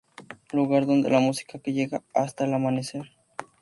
Lugar donde la música que llega hasta el amanecer.